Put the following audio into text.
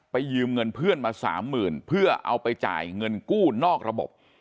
ยืมเงินเพื่อนมาสามหมื่นเพื่อเอาไปจ่ายเงินกู้นอกระบบ